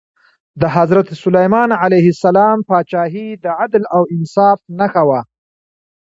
د حضرت سلیمان علیه السلام پاچاهي د عدل او انصاف نښه وه.